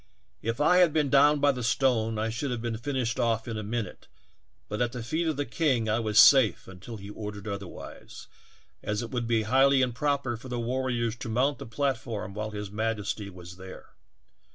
If I had been down by the stone I should have been finished off in a minute, but at the feet of the king I was safe until he ordered oth erwise, as it would be highly improper for the war riors to mount the platform while his majesty was there.